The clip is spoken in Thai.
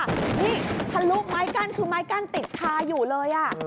นี่ทะลุไม้กั้นคือไม้กั้นติดคาอยู่เลย